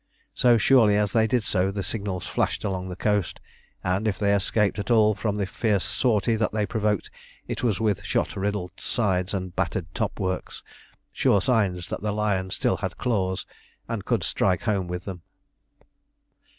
So surely as they did so the signals flashed along the coast; and if they escaped at all from the fierce sortie that they provoked, it was with shot riddled sides and battered top works, sure signs that the Lion still had claws, and could strike home with them.